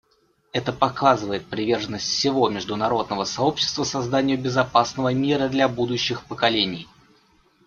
Это показывает приверженность всего международного сообщества созданию безопасного мира для будущих поколений.